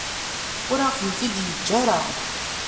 Ur aɣ-tent-id-yeǧǧa ara.